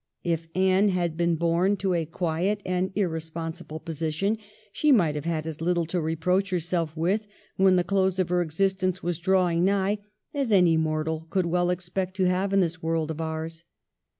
If Anne had been born to a quiet and irresponsible position she might have had as little to reproach herself with, when the close of her existence was drawing nigh, as any mortal could well expect to have in this world of ours.